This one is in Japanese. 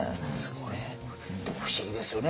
でも不思議ですよね。